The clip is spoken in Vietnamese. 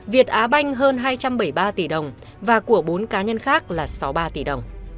việt á banh hơn hai trăm bảy mươi ba tỷ đồng và của bốn cá nhân khác là sáu mươi ba tỷ đồng